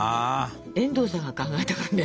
遠藤さんが考えたからね。